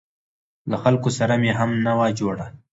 له خلکو سره مې هم نه وه جوړه.